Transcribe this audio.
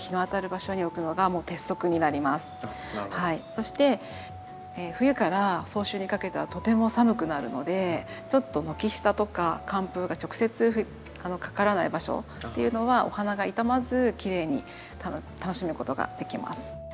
そして冬から早春にかけてはとても寒くなるのでちょっと軒下とか寒風が直接かからない場所っていうのはお花が傷まずきれいに楽しむことができます。